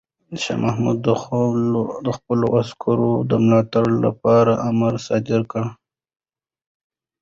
شاه محمود د خپلو عسکرو د ملاتړ لپاره امر صادر کړ.